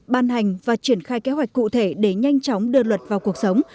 ban hành và triển khai kế hoạch cụ thể để nhanh chóng đưa luật vào cuộc sống